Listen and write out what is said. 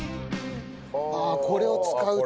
ああこれを使うと。